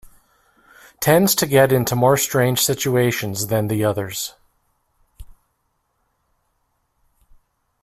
Tends to get into more strange situations than the others.